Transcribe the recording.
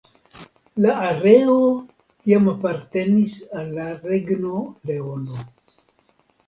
La areo tiam apartenis al la Regno Leono.